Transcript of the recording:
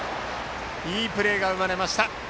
いいプレーが生まれました。